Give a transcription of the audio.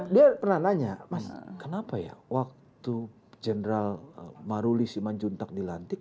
dia pernah nanya mas kenapa ya waktu general maruli siman juntag di lantik